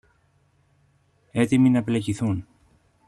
έτοιμοι να πελεκηθούν